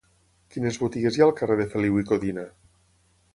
Quines botigues hi ha al carrer de Feliu i Codina?